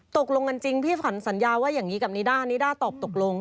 ตกลงกันจริงพี่ขวัญสัญญาว่าอย่างนี้กับนิด้านิด้าตอบตกลง